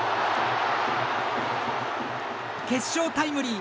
決勝タイムリー。